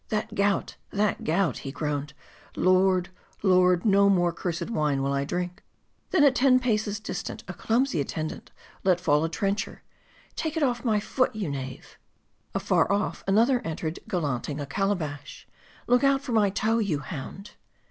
"That gout! that gout!" he groaned. " Lord ! lord ! no more cursed wine will I drink !"..." Then at ten paces distant, a clumsy attendant let fall a trencher " Take it off my foot, you knave !" Afar off another entered gallanting a calabash " Look out for my toe, you hound